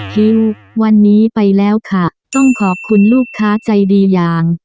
ฮิววันนี้ไปแล้วค่ะต้องขอบคุณลูกค้าใจดีอย่าง